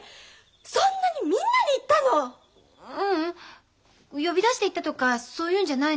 ううん呼び出して言ったとかそういうんじゃないの。